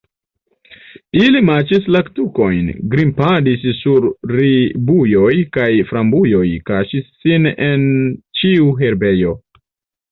Ili maĉis laktukojn, grimpadis sur ribujoj kaj frambujoj, kaŝis sin en ĉiu herbejo.